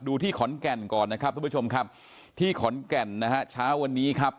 ที่ขอนแก่นก่อนนะครับทุกผู้ชมครับที่ขอนแก่นนะฮะเช้าวันนี้ครับ